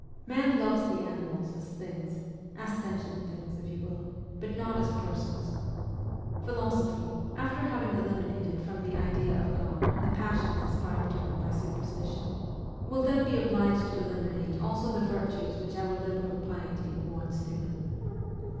Man loves the animals as THINGS, as SENTIENT THINGS, if you will, but not as PERSONS. Philosophy, after having eliminated from the idea of God the passions ascribed to him by superstition, will then be obliged to eliminate also the virtues which our liberal piety awards to him.